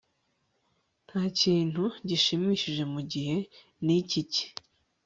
Ntakintu gishimishije mugihe nikiki